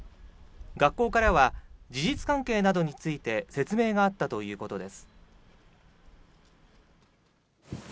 学校からは事実関係などについて説明があったということです。